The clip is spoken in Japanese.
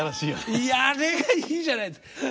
いやあれがいいじゃないですか。